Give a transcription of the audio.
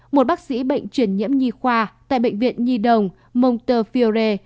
một bác sĩ bệnh truyền nhiễm nhi khoa tại bệnh viện nhi đồng montefiore